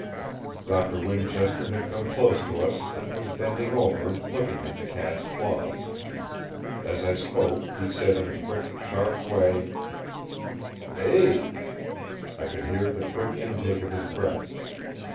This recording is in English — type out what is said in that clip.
Doctor Winchester had come close to us and was bending over looking at the cat's claws; as I spoke he said in a quick, sharp way: "Eh!" I could hear the quick intake of his breath.